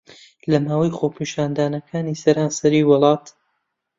لە ماوەی خۆپیشاندانەکانی سەرانسەری وڵات